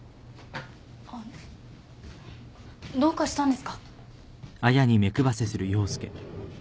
あっどうかしたんですか？